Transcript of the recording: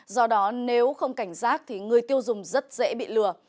do đó nếu không cảnh giác thì người tiêu dùng rất dễ bị lừa